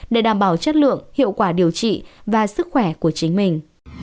để đảm bảo chất lượng hiệu quả điều trị và sức khỏe của chính mình